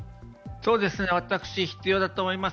私、必要だと思います。